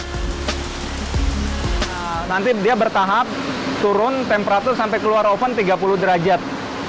nah nanti dia bertahap turun temperatur sampai keluar oven tiga puluh derajat